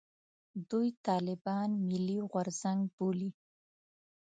دوی طالبان «ملي غورځنګ» بولي.